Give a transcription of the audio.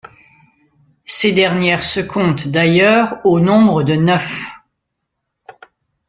Ces dernières se comptent d'ailleurs au nombre de neuf.